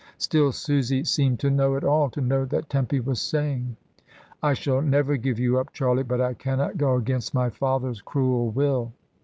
Still Susy seemed to know it all, to know that Tempy was saying, "I shall never give you up, Charlie, but I cannot go against my father's cruel will."